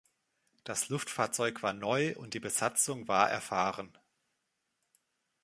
Das Luftfahrzeug war neu, und die Besatzung war erfahren.